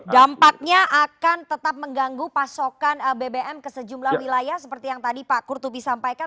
dampaknya akan tetap mengganggu pasokan bbm ke sejumlah wilayah seperti yang tadi pak kurtubi sampaikan